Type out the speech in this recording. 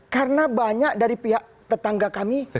karena banyak dari pihak tetangga kami